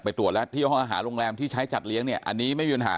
ตรวจแล้วที่ห้องอาหารโรงแรมที่ใช้จัดเลี้ยงเนี่ยอันนี้ไม่มีปัญหา